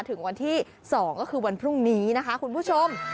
ถึงวันที่๒ก็คือวันพรุ่งนี้นะคะคุณผู้ชม